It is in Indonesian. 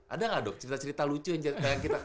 ada gak dok cerita cerita lucu yang